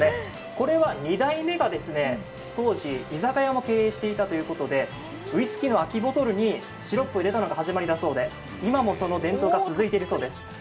これは２代目が当時、居酒屋も経営していたということで、ウイスキーの空きボトルにシロップを入れたのが始まりだそうで、今もその伝統が続いているそうです。